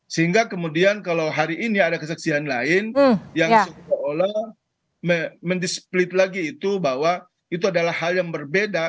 sehingga kemudian kalau hari ini ada kesaksian lain yang seolah olah mendisplit lagi itu bahwa itu adalah hal yang berbeda